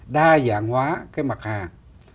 đa dạng hóa cái mặt hàng